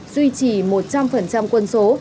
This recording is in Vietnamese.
duy trì một trăm linh quân số